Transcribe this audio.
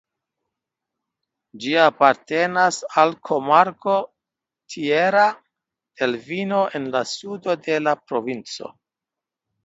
Ĝi apartenas al komarko Tierra del Vino en la sudo de la provinco.